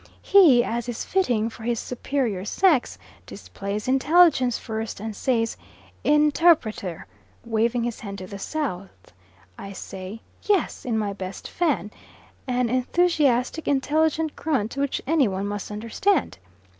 He, as is fitting for his superior sex, displays intelligence first and says, "Interpreter," waving his hand to the south. I say "Yes," in my best Fan, an enthusiastic, intelligent grunt which any one must understand.